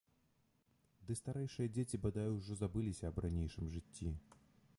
Ды старэйшыя дзеці бадай што забыліся аб ранейшым жыцці.